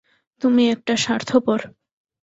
তুমি একটা স্বার্থপর।